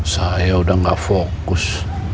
saya udah gak fokus